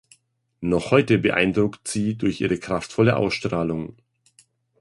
Noch heute beeindruckt sie durch ihre kraftvolle Ausstrahlung.